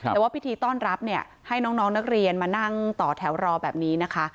แต่ว่าพิธีต้อนรับเนี่ยให้น้องนักเรียนมานั่งต่อแถวรอแบบนี้นะคะ